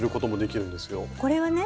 これはね